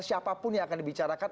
siapapun yang akan dibicarakan